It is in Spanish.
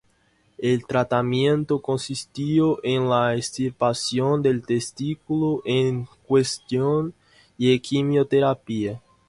El tratamiento consistió en la extirpación del testículo en cuestión y quimioterapia.